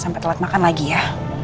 sampai telat makan lagi ya